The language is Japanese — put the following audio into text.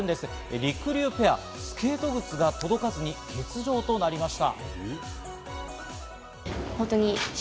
りくりゅうペア、スケート靴が届かずに欠場となりました。